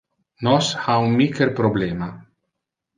Nos ha un micre problema.